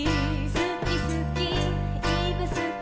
「すきすきいぶすき」